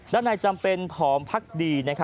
ด้านในจำเป็นพร้อมพลักษณ์ดีต์